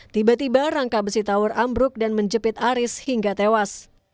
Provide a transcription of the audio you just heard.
tiba tiba rangka besi tower ambruk dan menjepit aris hingga tewas